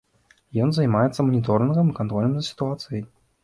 І ён займаецца маніторынгам і кантролем за сітуацыяй.